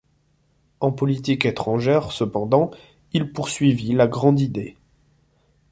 En politique étrangère cependant, il poursuivit la Grande Idée.